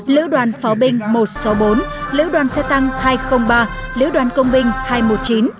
lữ đoàn pháo binh một trăm sáu mươi bốn lữ đoàn xe tăng hai trăm linh ba lữ đoàn công binh hai trăm một mươi chín